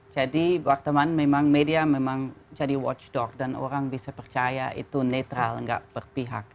jadi waktu memang media memang jadi watchdog dan orang bisa percaya itu netral tidak berpihak